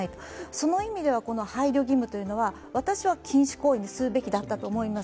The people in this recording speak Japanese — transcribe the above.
その意味ではこの配慮義務というのは、私は禁止行為にすべきだったと思います。